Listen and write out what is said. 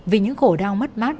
vì những khổ đau mất mát